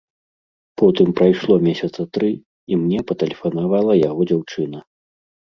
Потым прайшло месяцы тры, і мне патэлефанавала яго дзяўчына.